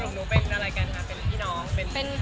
หนูเป็นอะไรกันคะเป็นพี่น้องเป็นเพื่อนละกันค่ะ